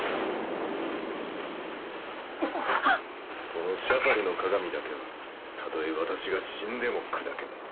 このシャハルの鏡だけはたとえ私が死んでも砕けん。